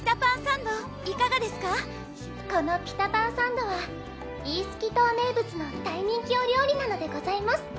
モニター「このピタパンサンドはイースキ島名物の大人気お料理なのでございます」